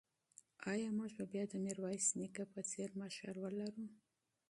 ایا موږ به بیا د میرویس نیکه په څېر مشر ولرو؟